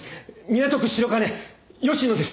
港区白金吉野です！